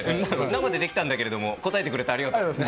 生でできたんだけれども、答えてくれてありがとう。